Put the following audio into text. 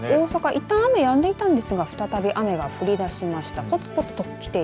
いったん雨がやんでいたんですが再び雨が降り出しました。